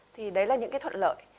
thì đấy là những cái thuận lợi